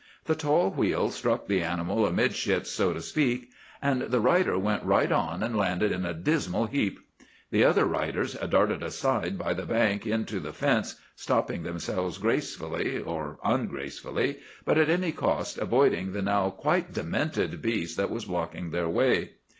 The tall wheel struck the animal amidships, so to speak; and the rider went right on and landed in a dismal heap. The other riders darted aside up the bank into the fence, stopping themselves gracefully or ungracefully, but at any cost avoiding the now quite demented beast that was blocking their way.